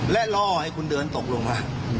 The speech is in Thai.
และล่อให้คุณเดินตกลงมา